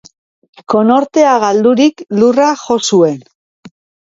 Konortea galdurik, lurra jo zuen.